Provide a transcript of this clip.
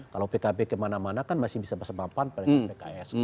kalau pkb kemana mana kan masih bisa bersama pan pada pks